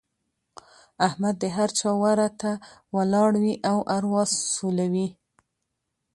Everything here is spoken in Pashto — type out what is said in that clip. احمد د هر چا وره ته ولاړ وي او اروا سولوي.